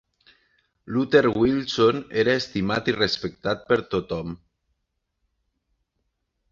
Luther Wilson era estimat i respectat per tothom.